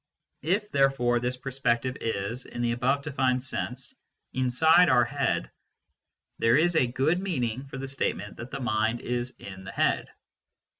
If, therefore, this perspective is, in the above denned sense, inside our head, there is a good meaning for the state ment that the mind is in the head.